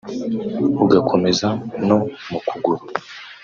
ugakomeza no mu kuguru